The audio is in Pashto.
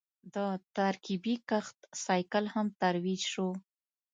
د ترکیبي کښت سایکل هم ترویج شو.